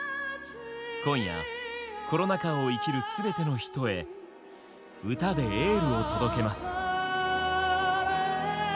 今夜コロナ禍を生きるすべての人へ歌でエールを届けます。